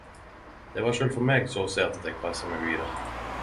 Det var sjølv for meg så sært at eg pressa meg vidare.